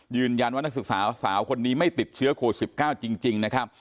ยืนยันว่านักศึกษาสาวคนนี้ไม่ติดเชื้อโคสิบเก้าจริงนะครับ